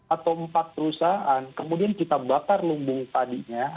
atau empat perusahaan kemudian kita bakar lumbung tadinya